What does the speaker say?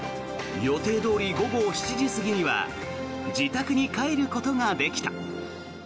予定どおり午後７時過ぎには自宅に帰ることができた。